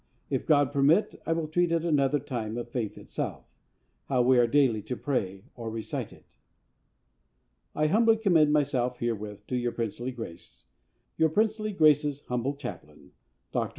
If God permit, I will treat at another time of the Faith itself how we are daily to pray or recite it. I humbly commend myself herewith to your princely Grace, Your Princely Grace's Humble Chaplain, DR.